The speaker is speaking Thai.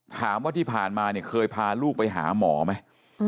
ถามว่าที่ผ่านมาเนี่ยเคยพาลูกไปหาหมอไหม